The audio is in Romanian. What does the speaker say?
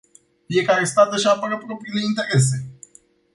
Fiecare stat își apără propriile interese.